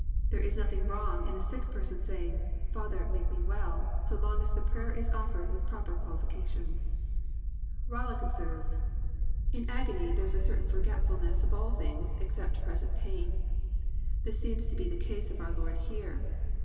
Thei e is nothing wrong in a sick person*s saying, << Father, make me well,'* so long as the prayer is offered with proper qualification Bollock observes :«* In as^ny there Is a certain fbrgetftilnesa JOHN, cnAP. XII. 849 of all tbings except present pain. This seems the case of our Lord here.